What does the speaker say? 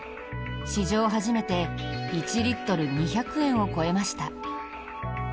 史上初めて１リットル２００円を超えました。